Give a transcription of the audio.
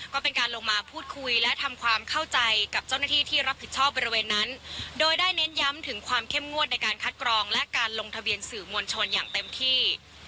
ก็เป็นการลงมาพูดคุยและทำความเข้าใจกับเจ้าหน้าที่ที่รับผิดชอบบริเวณนั้นโดยได้เน้นย้ำถึงความเข้มงวดในการคัดกรองและการลงทะเบียนสื่อมวลชนอย่างเต็มที่